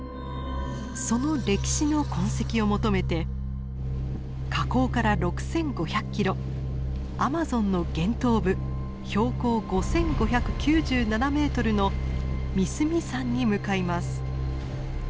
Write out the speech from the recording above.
その歴史の痕跡を求めて河口から６，５００ｋｍアマゾンの源頭部標高５，５９７ｍのミスミ山に向かいます。